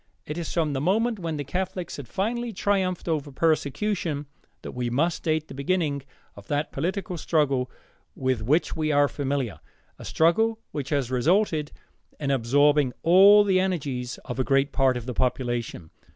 It is from the moment when the Catholics had finally triumphed over persecution that we must date the beginning of that political struggle with which we are familiar, a struggle which has resulted in absorbing all the energies of a great part of the population.